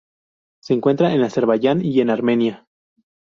Se encuentra en Azerbaiyán y en Armenia.